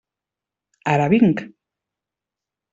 Ara vinc.